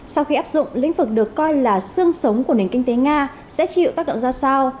sau khi áp dụng lĩnh vực được coi là sương sống của nền kinh tế nga sẽ chịu tác động ra sao